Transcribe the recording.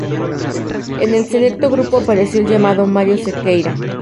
En el selecto grupo apareció el llamado de Mario Sequeira.